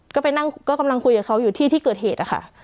ก็ไปนั่งก็กำลังคุยกับเขาอยู่ที่ที่เกิดเหตุนะคะ